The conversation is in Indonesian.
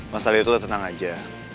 masa itu tenang aja